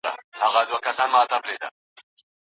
دا څو ورځي لا زاهده ماته مه وایه چي بس دي